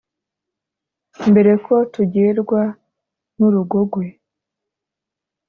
mbere ko tugwirwa n’urugogwe